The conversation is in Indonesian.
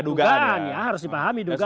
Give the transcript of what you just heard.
dugaan ya harus dipahami juga